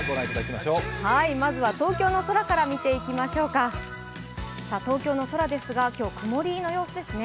まずは東京の空から見ていきましょうか東京の空ですが、今日、曇りの様子ですね。